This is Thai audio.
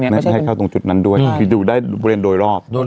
ไม่ให้เข้าตรงจุดนั้นด้วยดูได้โดยรอบ